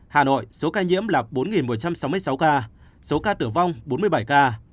hà nội số ca nhiễm là bốn một trăm sáu mươi sáu ca số ca tử vong bốn mươi bảy ca